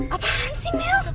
apaan sih mel